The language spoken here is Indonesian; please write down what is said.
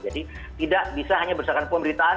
jadi tidak bisa hanya berserahkan pemerintahan